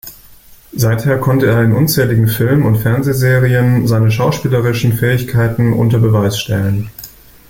Seither konnte er in unzähligen Film- und Fernsehserien seine schauspielerischen Fähigkeiten unter Beweis stellen.